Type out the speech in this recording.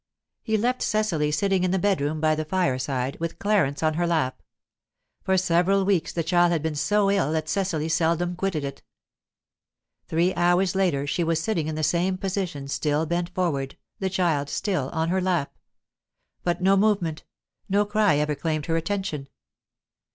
He left Cecily sitting in the bedroom, by the fireside, with Clarence on her lap. For several weeks the child had been so ill that Cecily seldom quitted it. Three hours later she was sitting in the same position, still bent forward, the child still on her lap. But no movement, no cry ever claimed her attention.